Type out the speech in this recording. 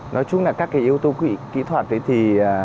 nói chung là các cái yếu tố kỹ thuật thì